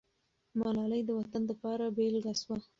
ملالۍ د وطن دپاره بېلګه سوه.